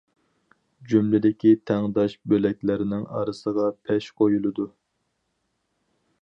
جۈملىدىكى تەڭداش بۆلەكلەرنىڭ ئارىسىغا پەش قويۇلىدۇ.